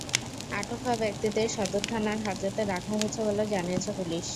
আটক হওয়া ব্যক্তিদের সদর থানার হাজতে রাখা হয়েছে বলে জানিয়েছে পুলিশ।